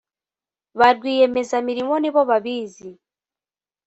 Ba rwiyemezamirimo ni bo babizi